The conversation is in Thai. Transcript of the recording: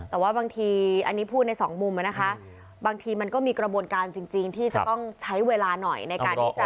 แต่ว่าบางทีอันนี้พูดในสองมุมนะคะบางทีมันก็มีกระบวนการจริงที่จะต้องใช้เวลาหน่อยในการที่จะ